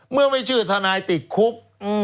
เมื่อไม่ชื่อทนายติดคุก